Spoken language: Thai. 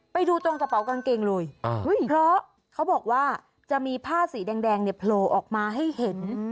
ไปดูตรงกระเป๋ากางเกงเลยเพราะเขาบอกว่าจะมีผ้าสีแดงเนี่ยโผล่ออกมาให้เห็น